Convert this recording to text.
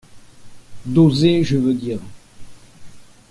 D’oser je veux dire.